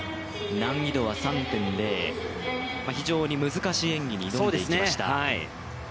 難易度は３．０、非常に難しい演技になってきました。